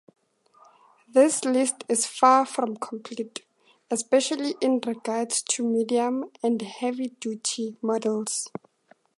This list is far from complete, especially in regards to medium- and heavy-duty models.